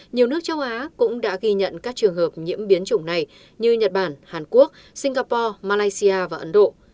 nhiều nước châu á cũng đã ghi nhận các trường hợp nhiễm biến chủng này như nhật bản hàn quốc singapore malaysia và ấn độ